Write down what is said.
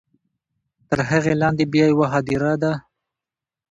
تر هغې لاندې بیا یوه هدیره ده.